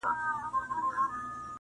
ګل وو په هر حال کښې په خندا به وو